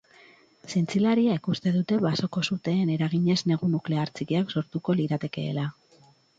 Zientzialariek uste dute basoko-suteen eraginez negu nuklear txikiak sortuko liratekeela.